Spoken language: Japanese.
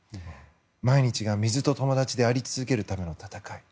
毎日が水と友達であり続けるための戦い。